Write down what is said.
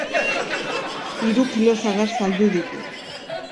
Hiru kilo sagar saldu ditu.